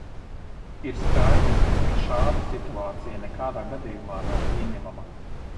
Ir skaidrs, ka šāda situācija nekādā gadījumā nav pieņemama.